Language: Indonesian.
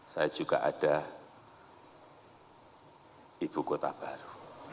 saya juga ada ibu kota baru